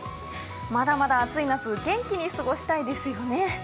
まだまだ暑い夏、元気に過ごしたいですよね。